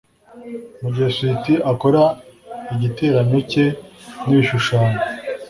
mugihe sweetie akora igiteranyo cye n'ibishushanyo